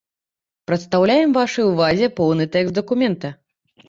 Прадстаўляем вашай увазе поўны тэкст дакумента.